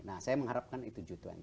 nah saya mengharapkan itu g dua puluh